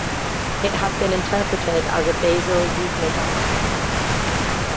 It has been interpreted as a basal eucynodont.